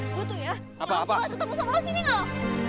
ih gue tuh ya gak usah ketemu sama lo sini gak lo